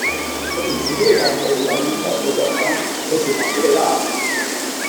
我完成咗呢個任務有五嚿水獎金，到時還俾你啦